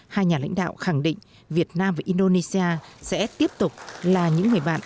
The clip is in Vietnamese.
hai nhà lãnh đạo khẳng định việt nam và indonesia sẽ tiếp tục là những người bạn